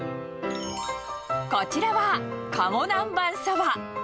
こちらは、鴨南蛮そば。